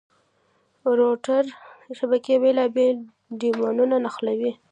روټر د شبکې بېلابېل ډومېنونه نښلوي.